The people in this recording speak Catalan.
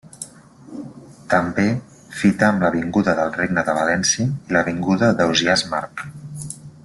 També fita amb l'avinguda del Regne de València i l'avinguda d'Ausiàs March.